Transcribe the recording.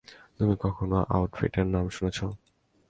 তুমি কখনো আউটফিটের নাম শুনেছ?